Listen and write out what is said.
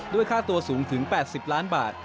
ค่าตัวสูงถึง๘๐ล้านบาท